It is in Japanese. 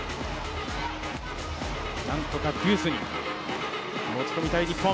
何とかデュースに持ち込みたい日本。